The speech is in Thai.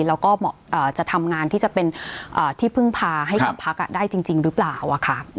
แล้วก็จะทำงานที่จะเป็นที่พึ่งพาให้กับพักได้จริงหรือเปล่าค่ะ